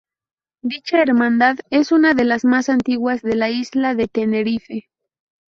Dicha hermandad es una de las más antiguas de la isla de Tenerife.